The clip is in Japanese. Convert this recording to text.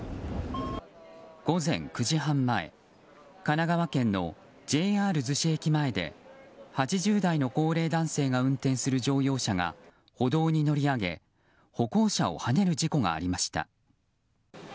午前９時半前神奈川県のＪＲ逗子駅前で８０代の高齢男性が運転する乗用車が歩道に乗り上げ、歩行者をはねる事故がありました。